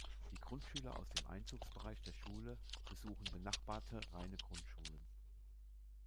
Die Grundschüler aus dem Einzugsbereich der Schule besuchen benachbarte reine Grundschulen.